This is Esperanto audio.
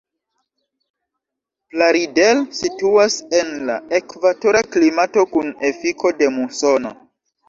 Plaridel situas en la ekvatora klimato kun efiko de musono.